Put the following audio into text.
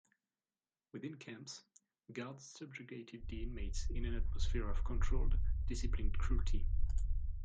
Within camps, guards subjugated the inmates in an atmosphere of controlled, disciplined cruelty.